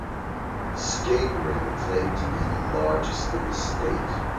The skate rink claimed to be the largest in the state.